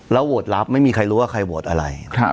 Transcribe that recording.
โหวตรับไม่มีใครรู้ว่าใครโหวตอะไร